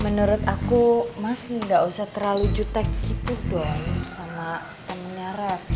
menurut aku mas nggak usah terlalu jutek gitu dong sama temennya rap